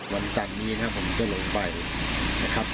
วันจันนี้นะครับผมจะลงไปนะครับ